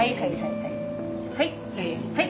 はい。